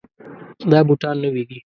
دا بوټان نوي دي.